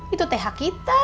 itu teh hak kita